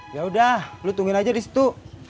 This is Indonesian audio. yaudah lo tungguin aja di situ